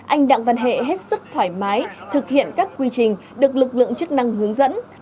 anh đặng văn hệ hết sức thoải mái thực hiện các quy trình được lực lượng chức năng hướng dẫn